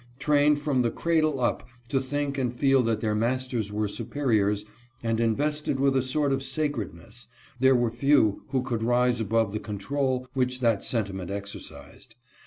Trained from the cradle up to think and feel that their masters were superiors, and invested with a sort of sacredness, there were few who could rise above the con trol which that sentiment exercised.